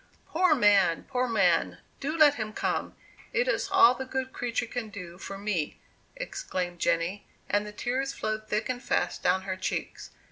"Poor man, poor man, do let him come; it is all the good creature can do for me," exclaimed Jenny, and the tears flowed thick and fast down her cheeks.